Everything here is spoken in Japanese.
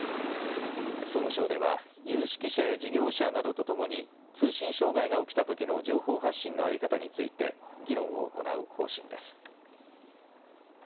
総務省では有識者や事業者などとともに通信障害が起きたときの情報発信の在り方について議論を行う方針です。